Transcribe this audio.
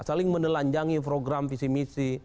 saling menelanjangi program visi misi